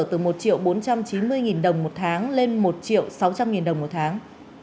một triệu bốn trăm chín mươi đồng một tháng lên một triệu sáu trăm linh đồng một tháng